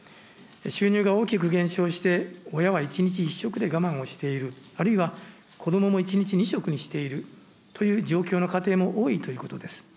収入が大きく減少して親は１日１食で我慢をしている、あるいは子どもも１日２食にしているという状況の家庭も多いということです。